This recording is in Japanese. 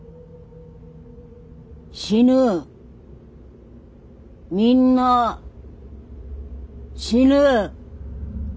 死ぬみんな死ぬ。